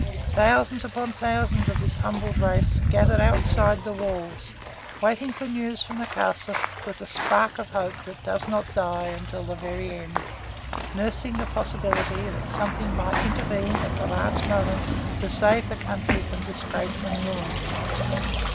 Thousands upon thousands of this humbled race gathered outside the walls, waiting for news from the castle with the spark of hope that does not die until the very end, nursing the possibility that something might intervene at the last moment to save the country from disgrace and ruin.